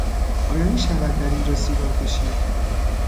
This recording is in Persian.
آیا میشود در این جا سیگار کشید؟